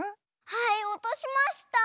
はいおとしました！